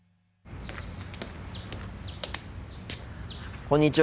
こんにちは。